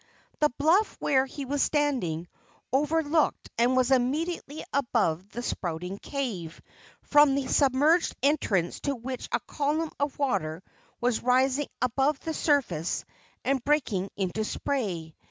The bluff where he was standing overlooked and was immediately above the Spouting Cave, from the submerged entrance to which a column of water was rising above the surface and breaking into spray.